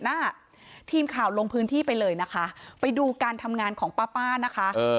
หน้าทีมข่าวลงพื้นที่ไปเลยนะคะไปดูการทำงานของป้าป้านะคะ